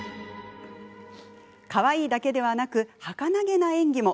かわいいだけではなくはかなげな演技も。